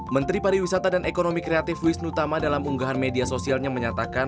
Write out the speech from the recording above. menteri pariwisata dan ekonomi kreatif wisnu tama dalam unggahan media sosialnya menyatakan